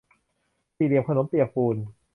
สี่เหลี่ยมขนมเปียกปูน